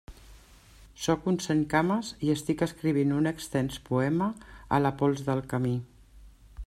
Sóc un centcames i estic escrivint un extens poema a la pols del camí.